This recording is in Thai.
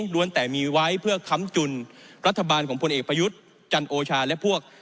ล้วนแต่มีไว้เพื่อค้ำจุนรัฐบาลของพลเอกประยุทธ์จันโอชาและพวก